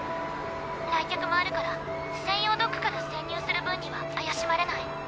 来客もあるから専用ドックから潜入する分には怪しまれない。